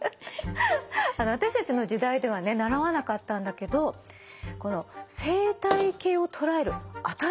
あの私たちの時代ではね習わなかったんだけどこの生態系を捉える新しい考え方なの。